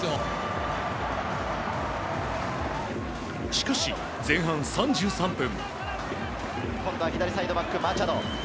しかし、前半３３分。